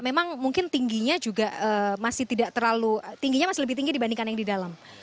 memang mungkin tingginya juga masih tidak terlalu tingginya masih lebih tinggi dibandingkan yang di dalam